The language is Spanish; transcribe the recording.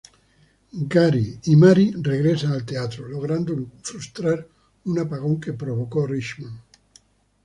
Gary y Mary regresan al teatro, logrando frustrar un apagón que provocó Richman.